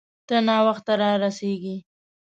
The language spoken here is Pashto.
ته ناوخته را رسیږې